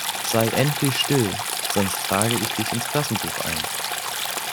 Sei endlich still, sonst trage ich dich ins Klassenbuch ein!